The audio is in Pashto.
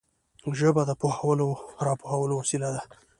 ژبه د پوهولو او را پوهولو وسیله ده